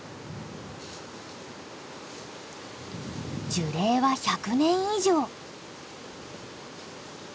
樹齢は１００年以上。